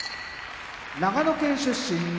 長野県出身